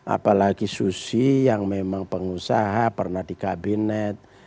apalagi susi yang memang pengusaha pernah di kabinet